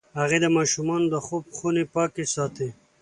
هغې د ماشومانو د خوب خونې پاکې ساتي.